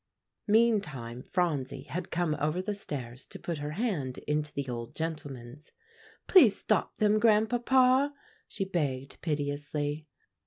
Meantime Phronsie had come over the stairs to put her hand into the old gentleman's. "Please stop them, Grandpapa," she begged piteously.